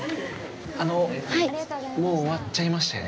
あのもう終わっちゃいましたよね？